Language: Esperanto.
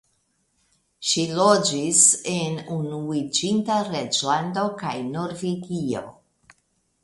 Ŝi loĝis en Unuiĝinta Reĝlando kaj Norvegio.